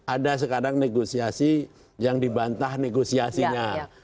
ada sekarang negosiasi yang dibantah negosiasinya